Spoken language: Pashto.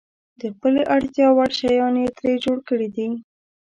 د خپلې اړتیا وړ شیان یې ترې جوړ کړي دي.